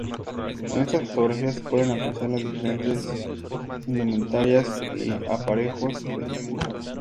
En estas fotografías se pueden apreciar las diferentes indumentarias y aparejos que se utilizaban.